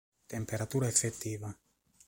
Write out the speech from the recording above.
Temperatura effettiva